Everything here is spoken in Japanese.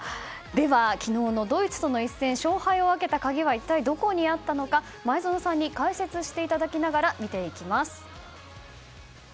では、昨日のドイツとの一戦勝敗を分けた鍵は一体どこにあったのか前園さんに解説していただきながら見ていきます。